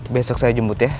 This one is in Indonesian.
besok saya jemput ya